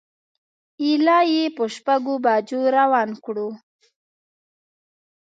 ایله یې په شپږو بجو روان کړو.